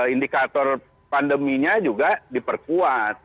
indikator pandeminya juga diperkuat